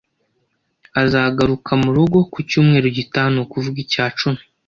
Azagaruka murugo ku cyumweru gitaha, ni ukuvuga icya cumi.